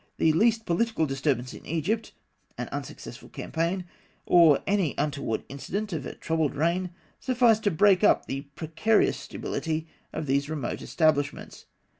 The least political disturbance in Egypt, an unsuccessful campaign, or any untoward incident of a troubled reign, sufficed to break up the precarious stability of these remote establishments.